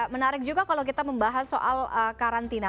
menarik juga kalau kita membahas soal karantina